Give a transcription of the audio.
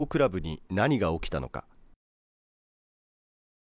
その強豪クラブに何が起きたのか。